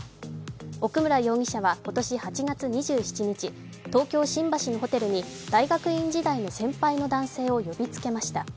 奥村容疑者は今年８月２７日、東京・新橋のホテルに大学院時代の先輩の男性を呼びつけました。